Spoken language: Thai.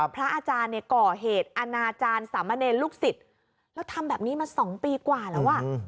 พระอาจารย์เนี่ยก่อเหตุอนาจารย์สามเณรลูกศิษย์แล้วทำแบบนี้มา๒ปีกว่าแล้วอ่ะ